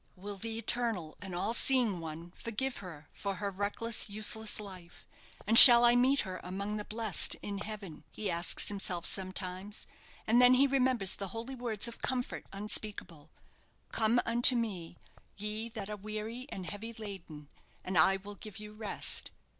"Will the Eternal and all seeing One forgive her for her reckless, useless life, and shall I meet her among the blest in heaven?" he asks himself sometimes, and then he remembers the holy words of comfort unspeakable: "Come unto me, ye that are weary and heavy laden, and I will give you rest."